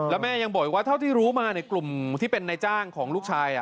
แล้วแม่ยังบอกอีกว่าเท่าที่รู้มาในกลุ่มที่เป็นนายจ้างของลูกชาย